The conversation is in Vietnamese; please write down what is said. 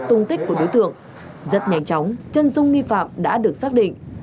tung tích của đối tượng rất nhanh chóng chân dung nghi phạm đã được xác định